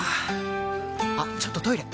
あっちょっとトイレ！